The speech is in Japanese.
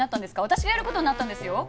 私がやる事になったんですよ。